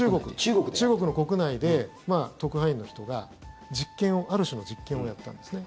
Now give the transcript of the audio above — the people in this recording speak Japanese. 中国の国内で特派員の人がある種の実験をやったんですね。